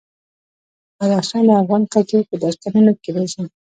بدخشان د افغان کلتور په داستانونو کې راځي.